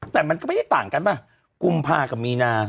แต่มันก็ไม่ได้ต่างกันป่ะกุมภากับมีนา